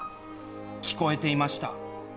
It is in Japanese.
聞こえていました。